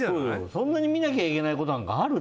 そんなに見なきゃいけないことってある？